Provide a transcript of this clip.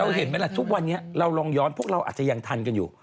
เห็นไหมล่ะทุกวันนี้เราลองย้อนพวกเราอาจจะยังทันกันอยู่